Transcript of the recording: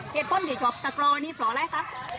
เหตุผลที่ชอบตะกรอนี่เพราะอะไรคะ